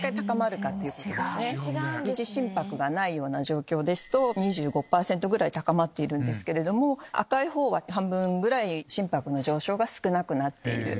疑似心拍がない状況ですと２５％ぐらい高まってるけど赤い方は半分ぐらい心拍の上昇が少なくなっている。